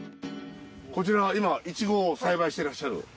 こちらは今イチゴを栽培してらっしゃる？